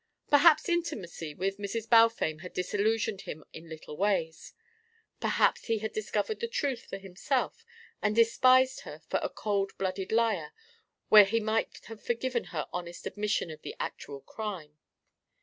Perhaps intimacy with Mrs. Balfame had disillusioned him in little ways. Perhaps he had discovered the truth for himself and despised her for a cold blooded liar where he might have forgiven her honest admission of the actual crime.